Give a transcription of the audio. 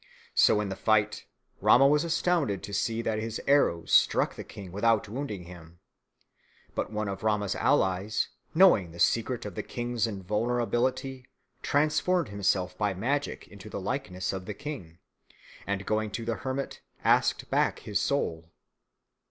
So in the fight Rama was astounded to see that his arrows struck the king without wounding him. But one of Rama's allies, knowing the secret of the king's invulnerability, transformed himself by magic into the likeness of the king, and going to the hermit asked back his soul.